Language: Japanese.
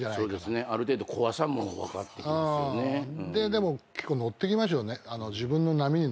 でも結構乗ってきますよね。